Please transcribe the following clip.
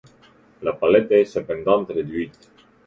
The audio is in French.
La palette est cependant réduite.